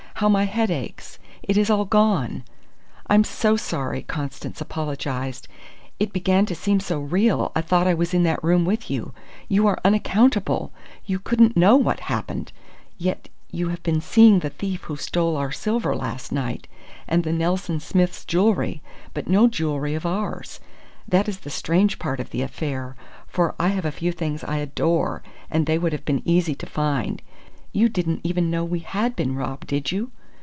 "How my head aches! It is all gone!" "I'm so sorry!" Constance apologized. "It began to seem so real, I thought I was in that room with you. You are unaccountable! You couldn't know what happened. Yet you have been seeing the thief who stole our silver last night, and the Nelson Smiths' jewellery, but no jewellery of ours. That is the strange part of the affair, for I have a few things I adore and they would have been easy to find. You didn't even know we had been robbed, did you?"